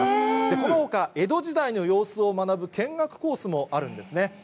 このほか、江戸時代の様子を学ぶ見学コースもあるんですね。